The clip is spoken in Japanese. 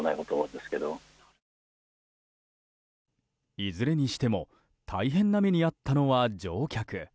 いずれにしても大変な目に遭ったのは乗客。